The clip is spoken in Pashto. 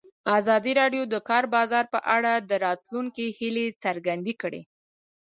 ازادي راډیو د د کار بازار په اړه د راتلونکي هیلې څرګندې کړې.